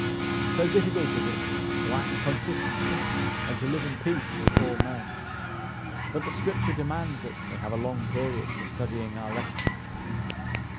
So difficult is it to act consistently, and to live in peace with all men! But the Scripture demands it, and we have a long period for studying our lesson.